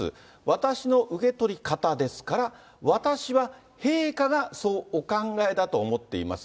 私の受け取り方ですから、私は陛下がそうお考えだと思っています。